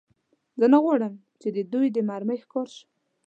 زه نه غواړم، چې د دوی د مرمۍ ښکار شم.